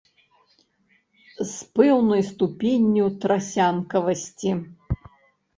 З пэўнай ступенню трасянкавасці.